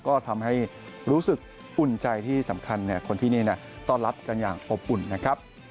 ก็ทำให้รู้สึกอุ่นใจที่สำคัญคนที่นี่ต้อนรับกันอย่างอบอุ่นนะครับ